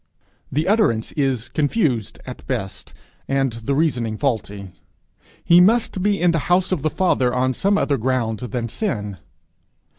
The utterance is confused at best, and the reasoning faulty. He must be in the house of the Father on some other ground than sin.